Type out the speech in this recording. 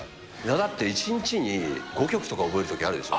だって、１日に５曲とか覚えたときあるでしょ？